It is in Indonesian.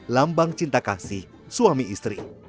lambang cinta kasih suami istri